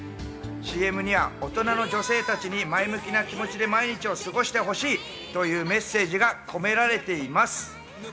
ＣＭには大人の女性たちに前向きな気持ちで毎日を過ごしてほしいというメッセージが込められています。